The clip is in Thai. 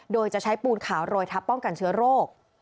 โดยจะใช้ปูนขาวโรยทับป้องกันเชื้อโรค